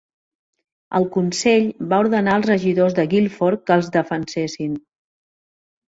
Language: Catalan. El Consell va ordenar als regidors de Guilford que els defensessin.